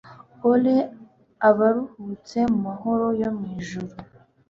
o'er abaruhutse mumahoro yo mwijuru